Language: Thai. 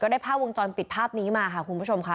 ได้ภาพวงจรปิดภาพนี้มาค่ะคุณผู้ชมค่ะ